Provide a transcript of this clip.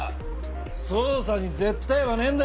捜査に「絶対」はねえんだ。